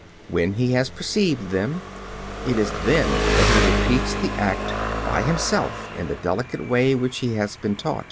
When he has perceived them, it is then that he repeats the act by himself in the delicate way which he has been taught.